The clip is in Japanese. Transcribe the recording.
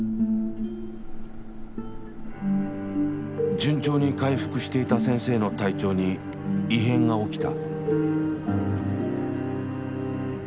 順調に回復していた先生の体調に異変が起きた。